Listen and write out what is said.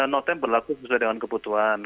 notem berlaku sesuai dengan kebutuhan